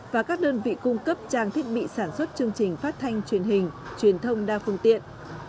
và các đơn vị cung cấp trang thiết bị sản xuất chương trình phát thanh truyền hình truyền thông đa phương tiện